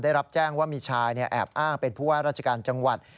ได้รับแจ้งว่ามีชายแอบอ้างเป็นผู้ว่าราชการจังหวัด